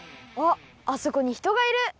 あっあそこにひとがいる。